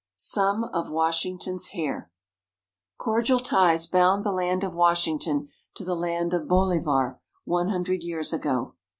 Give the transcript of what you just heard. SOME OF WASHINGTON'S HAIR Cordial ties bound the land of Washington to the land of Bolivar one hundred years ago.